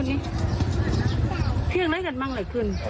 ไม่มีใครคาดคิดไงคะว่าเหตุการณ์มันจะบานปลายรุนแรงแบบนี้